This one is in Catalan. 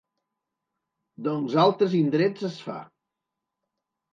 Doncs altres indrets es fa.